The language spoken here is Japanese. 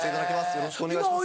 よろしくお願いします。